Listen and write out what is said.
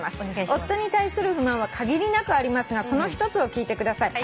「夫に対する不満は限りなくありますがその１つを聞いてください。